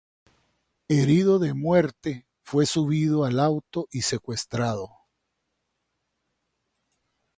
Herido de muerte, fue subido al auto y secuestrado.